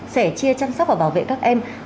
sẻ chia chăm sóc và bảo vệ các em